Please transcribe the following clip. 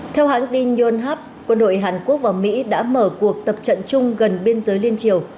theo hãng tin yonhap quân đội hàn quốc và mỹ đã mở cuộc tập trận chung gần biên giới liên triều